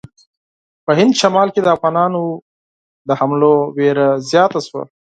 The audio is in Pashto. په هند شمال کې د افغانانو له حملو وېره زیاته شوه.